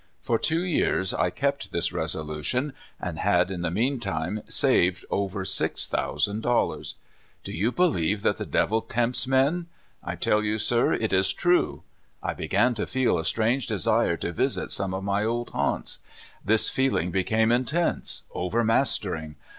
For two years I kept this resolution, and had in the meantime saved over six thousand dollars. Do you believe that the devil tempts men? I tell you, sir, it is true ! I began to feel a strange desire to visit some of my old haunts. This feeling became in tense, overmastering.